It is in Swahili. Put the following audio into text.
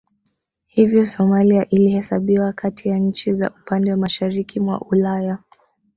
Hivyo Somalia ilihesabiwa kati ya nchi za upande wa mashariki mwa Ulaya